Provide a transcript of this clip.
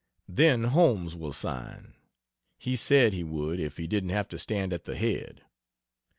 Then Holmes will sign he said he would if he didn't have to stand at the head.